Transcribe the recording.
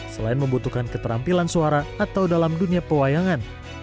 selain membutuhkan keterampilan suara atau dalam dunia perwayangan